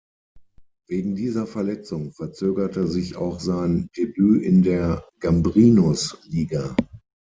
Wegen dieser Verletzung verzögerte sich auch sein Debüt in der Gambrinus Liga.